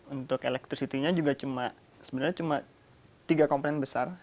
untuk elektrisitinya juga cuma sebenarnya cuma tiga komponen besar